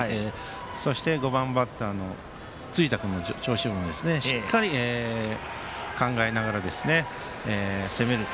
そして、５番バッターの辻田君の調子をしっかり考えながら攻める。